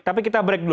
tapi kita break dulu